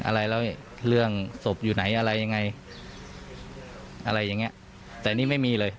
อะไรแล้วเรื่องศพอยู่ไหนอะไรยังไงอะไรอย่างเงี้ยแต่นี่ไม่มีเลย